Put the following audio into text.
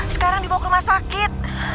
sekarang dibawa ke rumah sakit